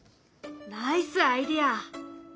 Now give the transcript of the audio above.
ナイスアイデア！